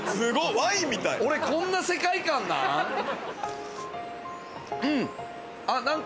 俺、こんな世界観なん。